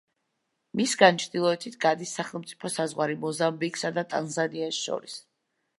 მისგან ჩრდილოეთით გადის სახელმწიფო საზღვარი მოზამბიკსა და ტანზანიას შორის.